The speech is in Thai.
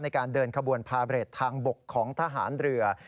ในการเดินขบวนพาเรททางบกของทหารเรือ